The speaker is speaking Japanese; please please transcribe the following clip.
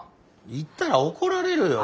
言ったら怒られるよ。